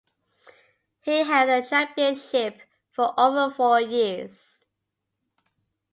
He held the championship for over four years.